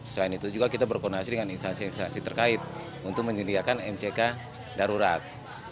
selain itu juga kita berkoordinasi dengan instansi instansi terkait untuk menyediakan mck darurat